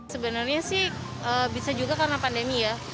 sebenarnya sih bisa juga karena pandemi ya